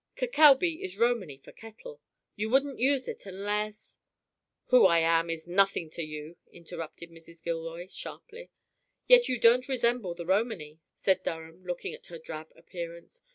"Kekaubi is Romany for kettle. You wouldn't use it unless " "Who I am is nothing to you," interrupted Mrs. Gilroy, sharply. "Yet you don't resemble the Romany!" said Durham, looking at her drab appearance.